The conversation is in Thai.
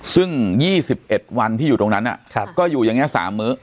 ซึ่งยี่สิบเอ็ดวันที่อยู่ตรงนั้นอ่ะครับก็อยู่อย่างเงี้ยสามมื้อ